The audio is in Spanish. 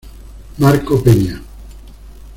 Marco Peña.